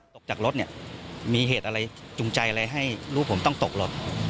ตกจากรถเนี่ยมีเหตุอะไรจุงใจอะไรให้ลูกผมต้องตกรถ